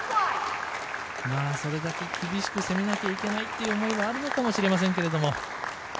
それだけ厳しく攻めなきゃいけないという思いはあるのかもしれませんけど。